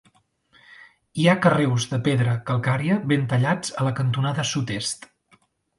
Hi ha carreus de pedra calcària ben tallats a la cantonada sud-est.